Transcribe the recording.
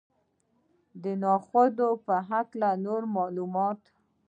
د نخودو په هکله نور معلومات.